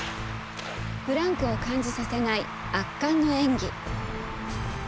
ブランクを感じさせない圧巻の演技。